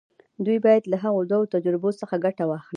دوی بايد له هغو دوو تجربو څخه ګټه واخلي.